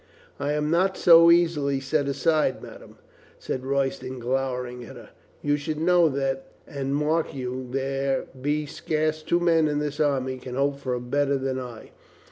"I am not so easily set aside, madame," said Royston, glowering at her. "You should know that. And mark you, there be scarce two men in this army can hope for better than I.